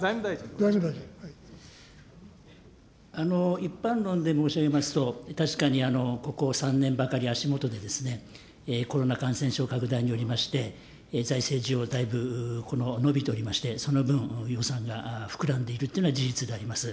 一般論で申し上げますと、確かにここ３年ばかり、足下ではコロナ感染症拡大によりまして、財政需要はだいぶこの伸びておりまして、その分、予算が膨らんでいるというのは事実であります。